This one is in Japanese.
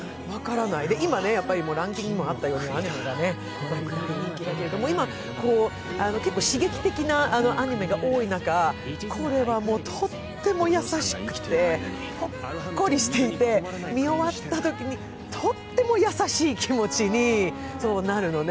今ね、ランキングにもあったようにアニメが人気だけれど、今、結構、刺激的なアニメが多い中、これはもう、とっても優しくてほっこりしていて見終わったときにとっても優しい気持ちになるのね。